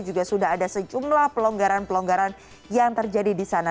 juga sudah ada sejumlah pelonggaran pelonggaran yang terjadi di sana